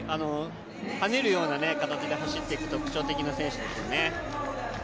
はねるような形で走っていく特徴的な選手ですね。